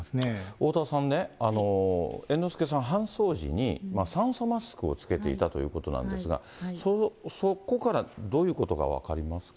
おおたわさんね、猿之助さん、搬送時に酸素マスクを着けていたということなんですが、そこからどういうことが分かりますか。